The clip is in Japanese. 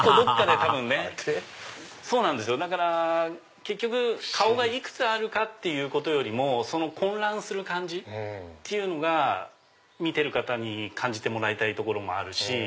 アハハハだから結局顔がいくつあるかっていうことよりも混乱する感じっていうのが見てる方に感じてもらいたいところもあるし。